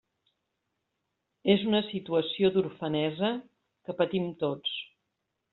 És una situació d'orfenesa que patim tots.